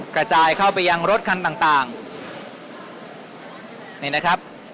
กระจายเข้าไปยังรถคันต่างต่างนี่นะครับ